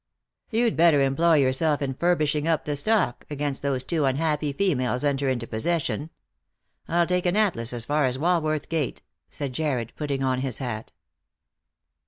" You'd better employ yourself in furbishing up the stock against those two unhappy females enter into possession. I'll take an Atlas as far as Walworth gate," said Jarred, putting on his hat.